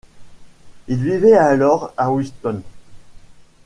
Il vivait alors à Whitton.